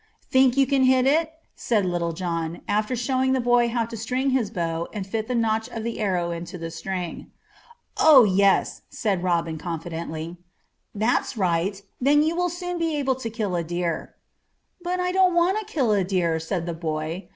"Think you can hit it?" said Little John, after showing the boy how to string his bow and fit the notch of the arrow to the string. "Oh! yes," said Robin confidently. "That's right! then you will soon be able to kill a deer." "But I don't want to kill a deer," said the boy.